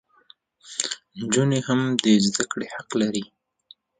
انجونې هم د زدکړي حق لري